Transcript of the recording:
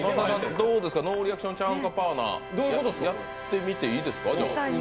どうですか、ノーリアクションチャンカパーナ、やってみていいですか？